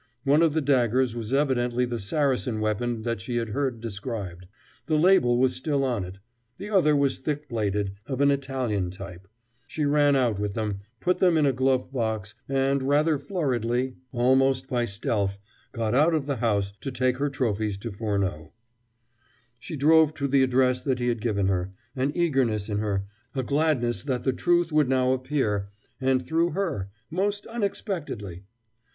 One of the daggers was evidently the Saracen weapon that she had heard described. The label was still on it; the other was thick bladed, of an Italian type. She ran out with them, put them in a glove box, and, rather flurriedly, almost by stealth, got out of the house to take her trophies to Furneaux. She drove to the address that he had given her, an eagerness in her, a gladness that the truth would now appear, and through her most unexpectedly!